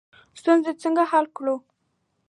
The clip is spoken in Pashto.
ستونزې څنګه حل کړو؟